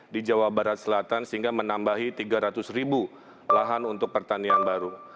di jawa barat selatan sehingga menambahi tiga ratus ribu lahan untuk pertanian baru